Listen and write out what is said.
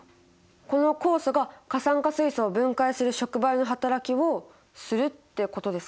この酵素が過酸化水素を分解する触媒のはたらきをするってことですか？